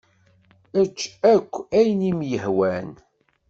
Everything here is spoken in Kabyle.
Ečč akk ayen i m-yehwan.